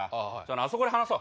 あそこで話そう。